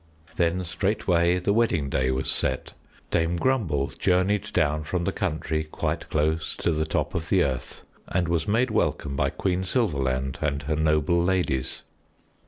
Then straightway the wedding day was set. Dame Grumble journeyed down from the country quite close to the top of the earth and was made welcome by Queen Silverland and her noble ladies.